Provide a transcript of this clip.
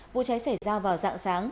vụ cháy xảy ra vào dạng sáng